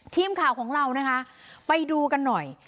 ทีมข่าวของเรานะคะไปดูกันหน่อย